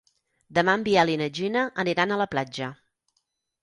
Demà en Biel i na Gina aniran a la platja.